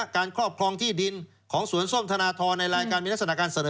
ครอบครองที่ดินของสวนส้มธนทรในรายการมีลักษณะการเสนอ